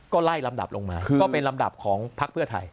ก็ไล่ลำดับลงมาก็เป็นลำดับของพักเพื่อไทย